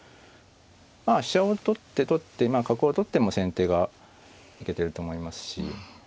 まあ飛車を取って取って角を取っても先手が行けてると思いますし。